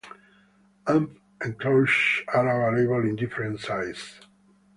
Amp enclosures are available in different sizes.